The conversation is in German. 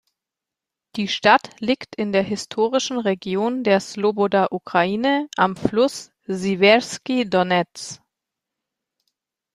Die Stadt liegt in der historischen Region der Sloboda-Ukraine am Fluss Siwerskyj Donez.